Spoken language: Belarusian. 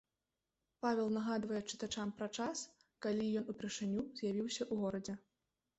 Павел нагадвае чытачам пра час, калі ён упершыню з'явіўся ў горадзе.